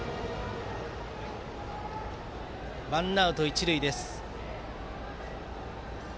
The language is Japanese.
ワンアウト、一塁です。